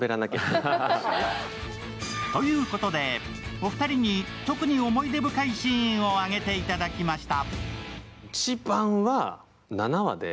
お二人に特に思い出深いシーンを挙げていただきました。